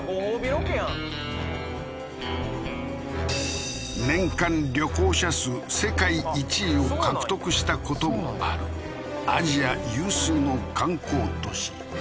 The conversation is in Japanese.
ロケやん年間旅行者数世界１位を獲得したこともあるアジア有数の観光都市